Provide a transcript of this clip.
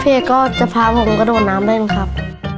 เอกก็จะพาผมกระโดดน้ำเล่นครับ